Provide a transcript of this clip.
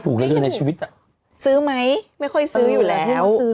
ฝูงกันเธอในชีวิตน่ะซื้อไหมไม่ค่อยซื้ออยู่แล้ว